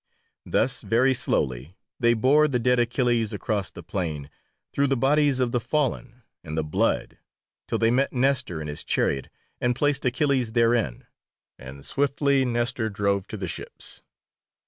Thus very slowly they bore the dead Achilles across the plain, through the bodies of the fallen and the blood, till they met Nestor in his chariot and placed Achilles therein, and swiftly Nestor drove to the ships.